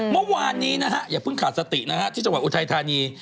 เมื่อวานนี้นะฮะอย่าเพิ่งขาดสตินะฮะที่จังหวัดอุทัยธานี